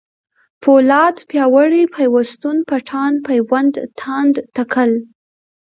پولاد ، پیاوړی ، پيوستون ، پټان ، پېوند ، تاند ، تکل